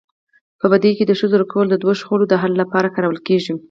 په بدو کي د ښځو ورکولو دود د شخړو د حل لپاره کارول کيږي.